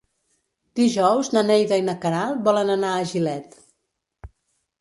Dijous na Neida i na Queralt volen anar a Gilet.